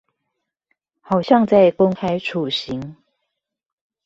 好像在公開處刑